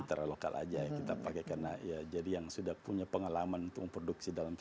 mitra lokal saja yang kita pakai karena yang sudah punya pengalaman untuk memproduksi dalam